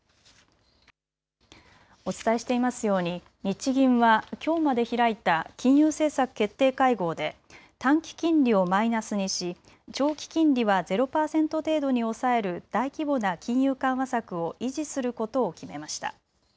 お伝えしていますように日銀はきょうまで開いた金融政策決定会合で短期金利をマイナスにし、長期金利はゼロ％程度に抑える大規模な金融緩和策を維持することを決めました。